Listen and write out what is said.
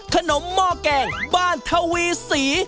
ขนมหม้อแกงบ้านทะวีสี